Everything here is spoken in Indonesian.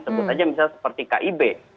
sebut saja misalnya seperti kib